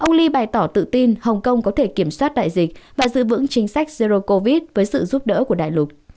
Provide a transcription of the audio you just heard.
ông lee bày tỏ tự tin hồng kông có thể kiểm soát đại dịch và giữ vững chính sách zero covid với sự giúp đỡ của đại lục